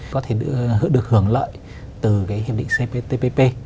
có thể được hưởng lợi từ cái hiệp định cptpp